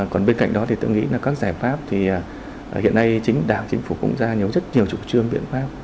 còn bên cạnh đó thì tôi nghĩ là các giải pháp thì hiện nay chính đảng chính phủ cũng ra nhiều rất nhiều chủ trương biện pháp